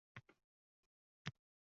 Hozircha esa sizlar bilan hayrlashamiz.